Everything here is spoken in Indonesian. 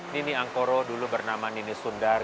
nini angkoro dulu bernama nini sundar